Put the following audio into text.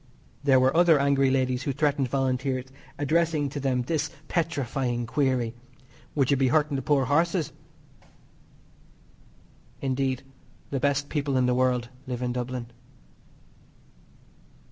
There were other angry ladies who threatened Volunteers, addressing to them this petrifying query: "Would you be hurting the poor horses?" Indeed, the best people in the world live in Dublin.